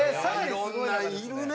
いろんなんいるね。